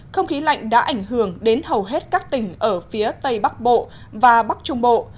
không khí lạnh đã ảnh hưởng đến hầu hết các tỉnh ở phía tây bắc bộ và bắc trung bộ